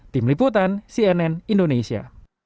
tim liputan cnn indonesia